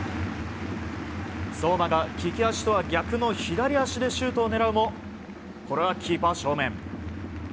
相馬が利き足とは逆の左足でシュートを狙うもこれはキーパー正面。